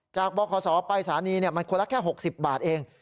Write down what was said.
บขไปสถานีมันคนละแค่๖๐บาทเอง